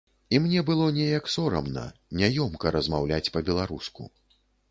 І мне было неяк сорамна, няёмка размаўляць па-беларуску.